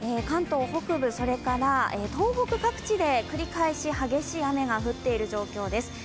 関東北部、東北各地で繰り返し激しい雨が降っている状況です。